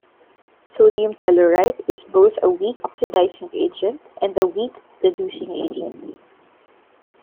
Sodium tellurite is both a weak oxidizing agent and a weak reducing agent.